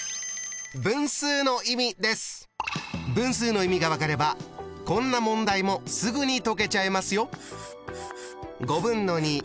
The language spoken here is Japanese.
分数の意味が分かればこんな問題もすぐに解けちゃいますよ。